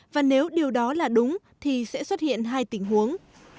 và nếu điều đó là đúng thì sẽ xuất hiện hai tình huống